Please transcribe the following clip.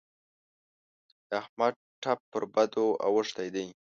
د احمد ټپ پر بدو اوښتی دی.